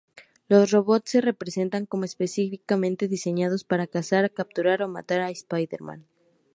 Los robots se representan como específicamente diseñados para cazar, capturar o matar a Spider-Man.